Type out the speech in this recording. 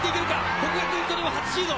國學院取れば初シード。